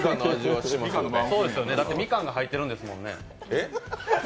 だって、みかんが入ってるんですもんね。